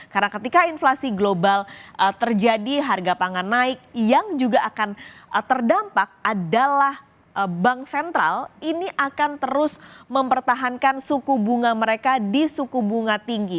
karena ketika inflasi global terjadi harga pangan naik yang juga akan terdampak adalah bank sentral ini akan terus mempertahankan suku bunga mereka di suku bunga tinggi